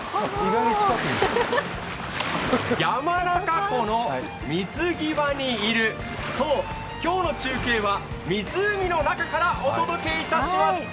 山中湖の水際にいる、そう今日の中継は湖の中からお届けいたします。